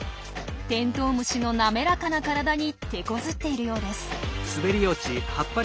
テントウムシの滑らかな体にてこずっているようです。